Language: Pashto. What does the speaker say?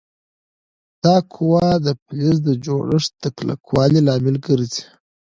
دا قوه د فلز د جوړښت د کلکوالي لامل ګرځي.